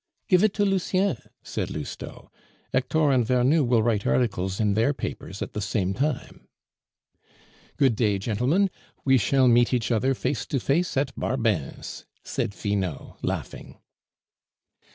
"Give it to Lucien," said Lousteau. "Hector and Vernou will write articles in their papers at the same time." "Good day, gentlemen; we shall meet each other face to face at Barbin's," said Finot, laughing.